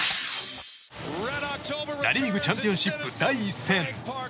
ナ・リーグチャンピオンシップ第１戦。